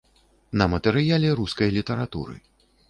На матэрыяле рускай літаратуры.